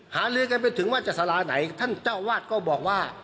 หาลือกันไปถึงว่าจะสาราไหนท่านเจ้าวาดก็บอกว่า